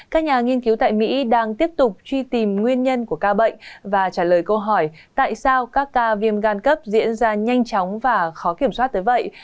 các nhà nghiên cứu tại mỹ đang tiếp tục truy tìm nguyên nhân của ca bệnh và trả lời câu hỏi tại sao các ca viêm gan cấp diễn ra nhanh chóng và khó kiểm soát tới vậy